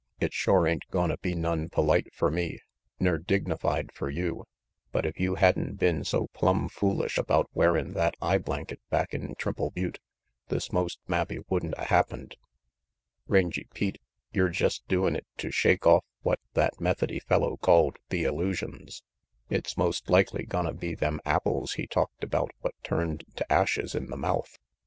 "It shore ain't gonna be none polite fer me, ner dignified fer you, but if you had'n been so plumb foolish about wearin' that eye blanket back in Triple Butte, this most mabbe wouldn't a happened. Rangy Pete, yer jest doin' it to shake off what that Methody fellow called the illusions. It's most likely gonna be them apples he talked RANGY PETE 73 about what turned to ashes in the mouth.